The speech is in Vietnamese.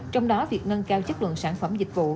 trong đó việc nâng cao chất lượng sản phẩm dịch vụ